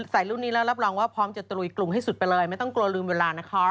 ใส่รุ่นนี้แล้วรับรองว่าพร้อมจะตรุยกรุงให้สุดไปเลยไม่ต้องกลัวลืมเวลานะคะ